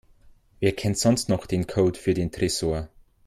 Wer kennt sonst noch den Code für den Tresor?